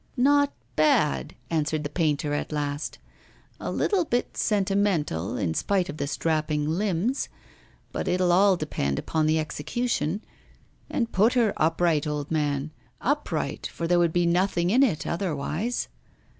'Not bad,' answered the painter at last. 'A little bit sentimental, in spite of the strapping limbs; but it'll all depend upon the execution. And put her upright, old man; upright, for there would be nothing in it otherwise.